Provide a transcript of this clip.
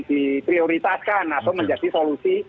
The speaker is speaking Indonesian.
diprioritaskan atau menjadi solusi